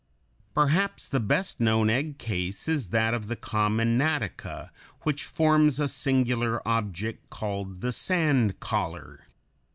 Perhaps the best known egg case is that of the common Natica, which forms a singular object called the "sand collar" (Fig.